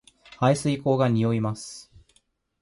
排水溝が臭います